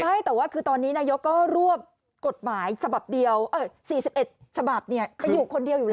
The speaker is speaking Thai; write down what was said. ใช่แต่ว่าคือตอนนี้นายกก็รวบกฎหมายฉบับเดียว๔๑ฉบับเขาอยู่คนเดียวอยู่แล้ว